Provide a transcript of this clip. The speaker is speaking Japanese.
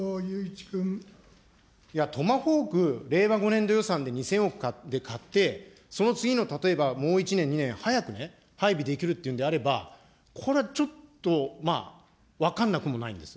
トマホーク、令和５年度予算案で２０００億で買って、その次の例えばもう１年、２年、早くね、配備できるっていうのであれば、これちょっと分かんなくもないです。